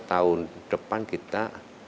tahun depan kita